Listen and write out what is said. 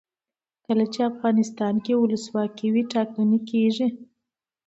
کله چې افغانستان کې ولسواکي وي ټاکنې کیږي.